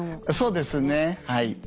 そうですねはい。